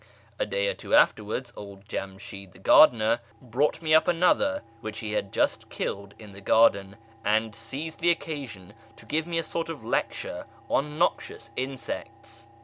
A day or two afterwards old Jamshid the gardener brought me up another which he had just killed in the garden, and seized the occasion to give me a sort of lecture on noxious insects.